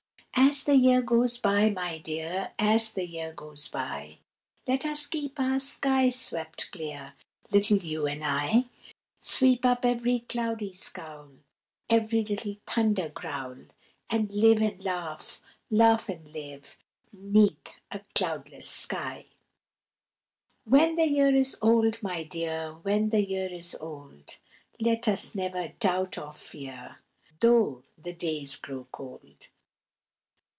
As the year goes by, my dear, As the year goes by, Let us keep our sky swept clear, Little you and I. Sweep up every cloudy scowl, Every little thunder growl, And live and laugh, laugh and live, 'Neath a cloudless sky. When the year is old, my dear, When the year is old, Let us never doubt or fear, Though the days grow cold.